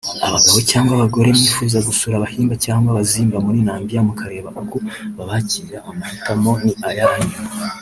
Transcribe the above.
Abagabo cyangwa abagore mwifuza gusura Abahimba cyangwa Abazimba muri Nambia mukareba uko babakira amahitamo ni ayanyu